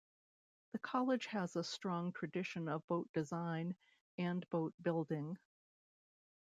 The College has a strong tradition of boat design and boat building.